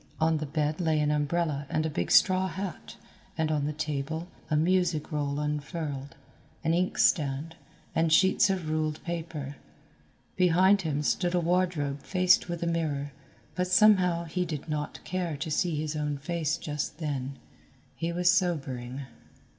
On the bed lay an umbrella and a big straw hat, and on the table, a music roll unfurled, an ink stand, and sheets of ruled paper. Behind him stood a wardrobe faced with a mirror, but somehow he did not care to see his own face just then. He was sobering.